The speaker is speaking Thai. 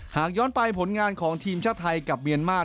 หากย้อนไปผลงานของทีมชาติไทยกับเมียนมาร์